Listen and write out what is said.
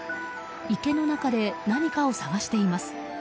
池の中で何かを探しています。